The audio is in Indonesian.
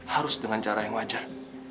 harus dengan cara yang wajar